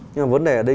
nhưng mà vấn đề ở đây